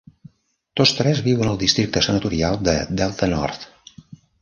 Tots tres viuen al districte senatorial de Delta North.